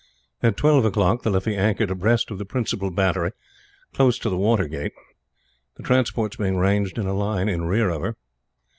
At twelve o'clock the Liffey anchored abreast of the principal battery, close to the water gate; the transports being ranged in a line in rear of her.